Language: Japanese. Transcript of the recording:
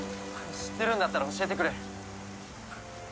知ってるんだったら教えてくれ！